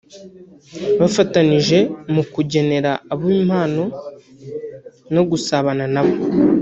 bafatanije mu kugenera abo impano no gusabana na bo